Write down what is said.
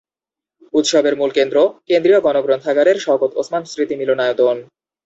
উৎসবের মূল কেন্দ্র কেন্দ্রীয় গণগ্রন্থাগারের শওকত ওসমান স্মৃতি মিলনায়তন।